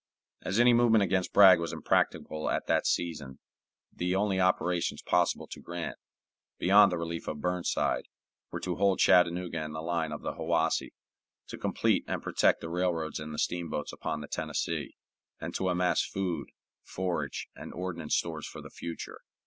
As any movement against Bragg was impracticable at that season, the only operations possible to Grant, beyond the relief of Burnside, were to hold Chattanooga and the line of the Hiwassee, to complete and protect the railroads and the steamboats upon the Tennessee, and to amass food, forage, and ordnance stores for the future.